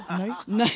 ない？